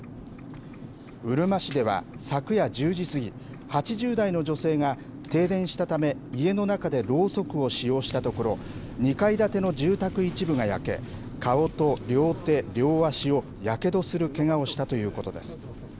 うるま市では昨夜１０時過ぎ、８０代の女性が、停電したため、家の中でろうそくを使用したところ、２階建ての住宅一部が焼け、顔と両手、両足をやけどするけがをしたということです。